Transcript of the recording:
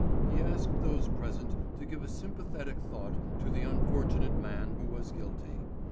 He asked those present to give a sympathetic thought to the unfortunate man who was guilty.